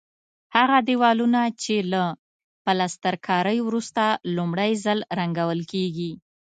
هغه دېوالونه چې له پلسترکارۍ وروسته لومړی ځل رنګول کېږي.